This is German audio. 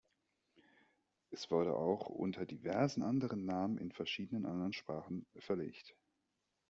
Es wurde auch unter diversen anderen Namen in verschiedenen anderen Sprachen verlegt.